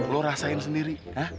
lo rasain sendiri